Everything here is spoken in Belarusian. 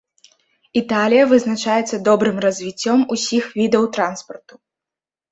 Італія вызначаецца добрым развіццём усіх відаў транспарту.